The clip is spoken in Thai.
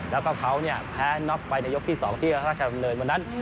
แล้วก็เขาแพ้น็อกไปในยกที่๒ที่ราชดำเนินวันนั้น